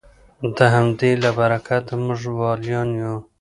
د همدې له برکته موږ ولیان یو